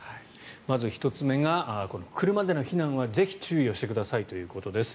まず１つ目が車での避難はぜひ、注意をしてくださいということです。